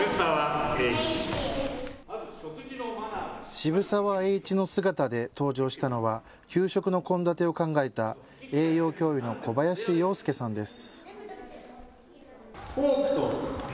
渋沢栄一の姿で登場したのは給食の献立を考えた栄養教諭の小林洋介さんです。